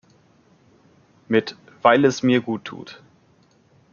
Mit "Weil es mir gut tut!